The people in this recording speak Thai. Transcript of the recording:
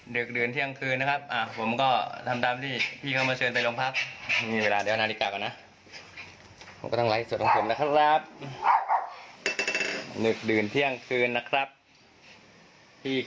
นึกดืนเที่ยงคืนนะครับพี่เข้ามาเชิญผมไปโรงพัก